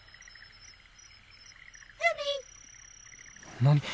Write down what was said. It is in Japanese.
何！？